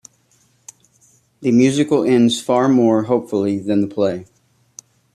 The musical ends far more hopefully than the play.